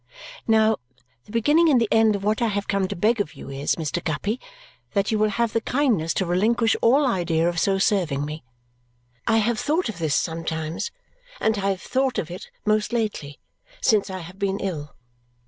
Now, the beginning and the end of what I have come to beg of you is, Mr. Guppy, that you will have the kindness to relinquish all idea of so serving me. I have thought of this sometimes, and I have thought of it most lately since I have been ill.